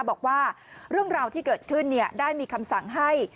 บอกว่าเรื่องราวที่เกิดขึ้นได้มีคำสั่งให้